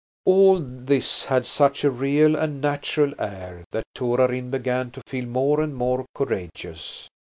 All this had such a real and natural air that Torarin began to feel more and more courageous.